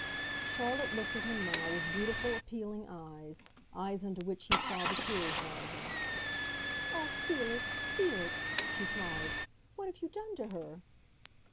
Charlotte looked at him now with beautiful, appealing eyes—eyes into which he saw the tears rising. "Oh, Felix, Felix," she cried, "what have you done to her?"